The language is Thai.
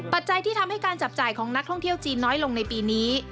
จัยที่ทำให้การจับจ่ายของนักท่องเที่ยวจีนน้อยลงในปีนี้